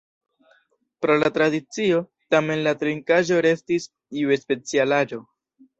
Pro la tradicio tamen la trinkaĵo restis iu specialaĵo.